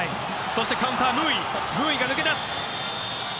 そしてカウンタームーイが抜け出す。